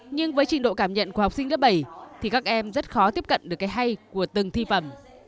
nhưng với trình độ cảm nhận của học sinh lớp bảy thì các em rất khó tiếp cận được cái hay của từng thi phẩm